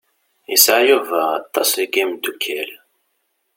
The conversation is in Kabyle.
Yesɛa Yuba aṭas n yimeddukal.